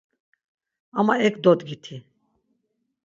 Ama ek dodgiti.